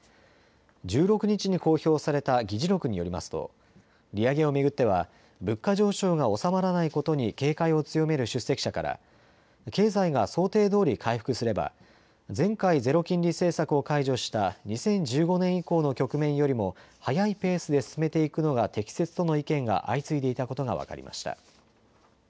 １６日に公表された議事録によりますと利上げを巡っては物価上昇が収まらないことに警戒を強める出席者から経済が想定どおり回復すれば前回、ゼロ金利政策を解除した２０１５年以降の局面よりも速いペースで進めていくのが適切との意見が相次いでいたことが分かりました。